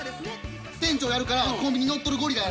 店長やるからコンビニ乗っ取るゴリラやって。